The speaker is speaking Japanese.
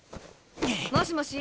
もしもし！